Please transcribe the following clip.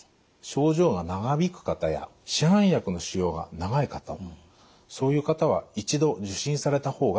症状が長引く方や市販薬の使用が長い方そういう方は一度受診された方がいいと思います。